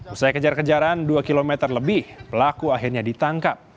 usai kejar kejaran dua km lebih pelaku akhirnya ditangkap